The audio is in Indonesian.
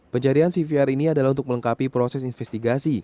pencarian cvr ini adalah untuk melengkapi proses investigasi